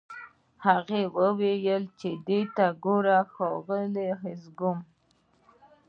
هغه وویل چې دې ته وګوره ښاغلی هولمز